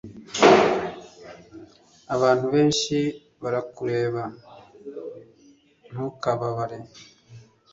abantu benshi barakureba. ntukabareke